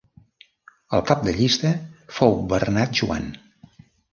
El cap de llista fou Bernat Joan.